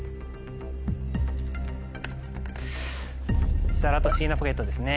そうしたらあと『ふしぎなポケット』ですね。